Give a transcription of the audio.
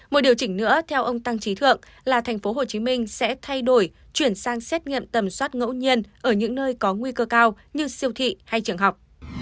một điều chỉnh nữa theo ông tăng trí thượng là thành phố hồ chí minh sẽ thay đổi chuyển sang xét nghiệm tầm soát ngẫu nhiên ở những nơi có nguy cơ cao như siêu thị hay trường học